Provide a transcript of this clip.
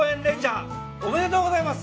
ありがとうございます。